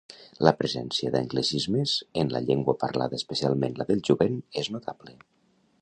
La presència d'anglicismes en la llengua parlada, especialment la del jovent, és notable.